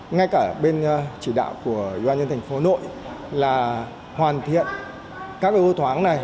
ngay cả bên chỉ đạo của doanh nhân thành phố nội là hoàn thiện các vô thoáng này